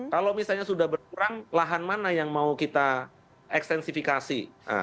kalau misalnya sudah berkurang lahan mana yang mau kita ekstensifikasi